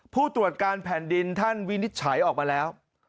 ผู้ตรวจการแผ่นดินท่านวินิจฉัยออกมาแล้ว